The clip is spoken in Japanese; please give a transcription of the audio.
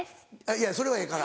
いやそれはええから。